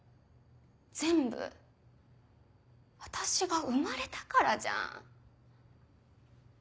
全部私が生まれたからじゃん。